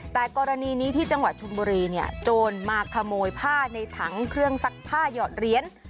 แต่กรณีนี้ที่จังหวัดชุมบุรีเนี่ยโจรมาขโมยผ้าในถังเครื่องซักผ้าหยอดเหรียญ